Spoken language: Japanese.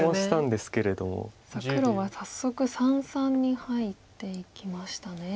さあ黒は早速三々に入っていきましたね。